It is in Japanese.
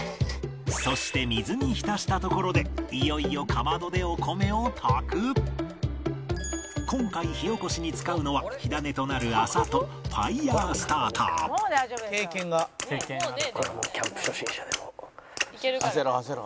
そして水に浸したところでいよいよ今回火おこしに使うのは火種となる麻とファイヤースターター「もう大丈夫でしょ」「経験が」これもうキャンプ初心者でも。